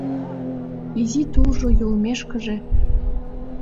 Изи тулжо йӱлымешкыже